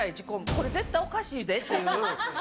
これ絶対おかしいでっていう。